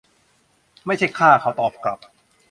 ไม่ใช่ข้า เขาตอบกลับ